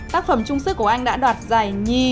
tác phẩm trung sức của anh đã đoạt giải nhì